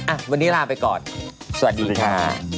อ่ะวันนี้ลาไปก่อนสวัสดีค่ะ